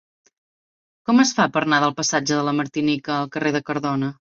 Com es fa per anar del passatge de la Martinica al carrer de Cardona?